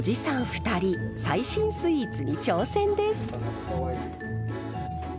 ２人最新スイーツに挑戦です。